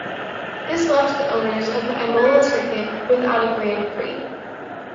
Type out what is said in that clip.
This left the owners of the Imola circuit without a Grand Prix.